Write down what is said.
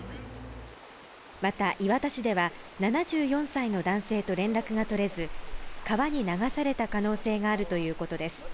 また、磐田市では７４歳の男性と連絡が取れず川に流された可能性があるということです。